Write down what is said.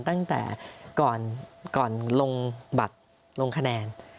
ตั้งแต่ก่อนลงบัตรลงคะแนน